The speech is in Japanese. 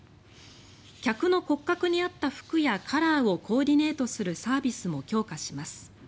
客の骨格に合った服やカラーをコーディネートするサービスも強化します。